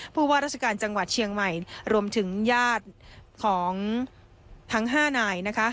ผู้ว่าราชการจังหวัดเชียงใหม่รวมถึงญาติของทั้ง๕นายนะคะ